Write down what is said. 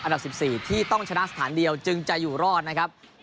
๑๔ที่ต้องชนะสถานเดียวจึงจะอยู่รอดนะครับ